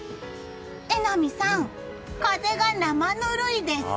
榎並さん、風が生ぬるいです。